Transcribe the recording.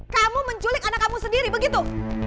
kamu menculik anak kamu sendiri begitu